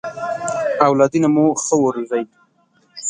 اولادونه مو ښه ورزوی!